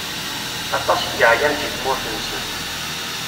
Aṭas i yeɛyan si tmurt-nsen.